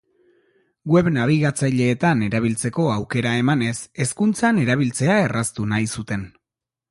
Web nabigatzaileetan erabiltzeko aukera emanez hezkuntzan erabiltzea erraztu nahi zuten.